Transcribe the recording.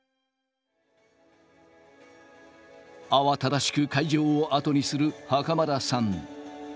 慌ただしく会場を後にする袴田さん。